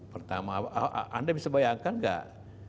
pertama anda bisa bayangkan nggak